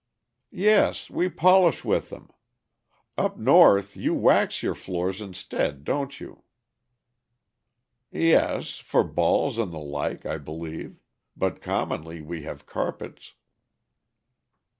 "Yes, we polish with them. Up North you wax your floors instead, don't you?" "Yes, for balls and the like, I believe, but commonly we have carpets."